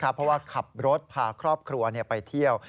เพราะว่าขับรถพาครอบครัวไปเที่ยว